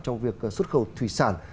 trong việc xuất khẩu thủy sản